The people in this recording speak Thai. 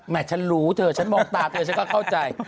ฉันรู้เธอฉันมองตาเธอฉันก็เข้าใจ